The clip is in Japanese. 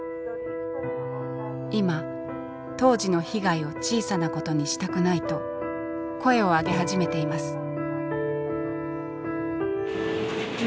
今当時の被害を小さなことにしたくないと声を上げ始めています。